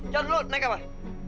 jalan dulu naik ke kamar